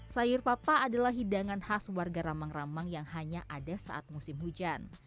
sayur papa adalah hidangan khas warga ramang ramang yang hanya ada saat musim hujan